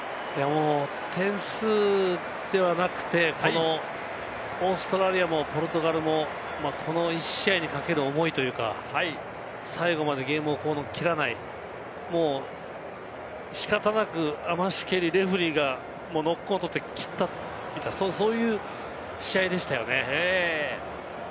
点数ではなくて、オーストラリアもポルトガルもこの１試合にかける思いというか、最後までゲームを切らない、仕方なくアマシュケリレフェリーがノックオンを取って切った、そういう試合でしたよね。